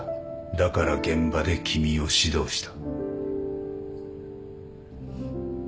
だから現場で君を指導した。